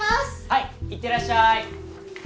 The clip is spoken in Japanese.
はい行ってらっしゃーい